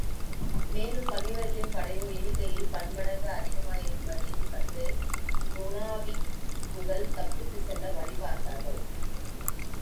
மேலும், பகைவர்களின் படையோ எண்ணிக்கையில் பன்மடங்கு அதிகமாயிருப்பதையும் கண்டு, முனாபிக்குகள் தப்பித்துச் செல்ல வழி பார்த்தார்கள்.